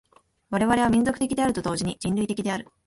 我々は民族的であると同時に人類的である。